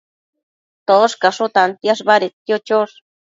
Toshcasho tantiash badedquio chosh